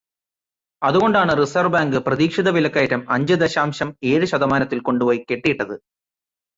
അതുകൊണ്ടാണ് reserve bank പ്രതീക്ഷിത വിലക്കയറ്റം അഞ്ച് ദശാംശം ഏഴ് ശതമാനത്തിൽ കൊണ്ടുപോയി കെട്ടിയിട്ടത്.